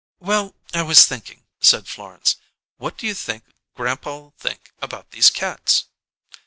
"Well, I was thinking," said Florence. "What do you think grandpa'll think about these cats?"